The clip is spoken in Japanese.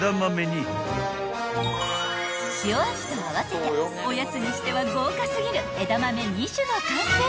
［塩味と合わせておやつにしては豪華過ぎる枝豆２種の完成］